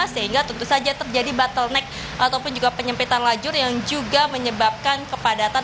sehingga tentu saja terjadi bottleneck ataupun juga penyempitan lajur yang juga menyebabkan kepadatan